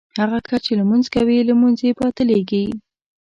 هغه کس چې لمونځ کوي لمونځ یې باطلېږي.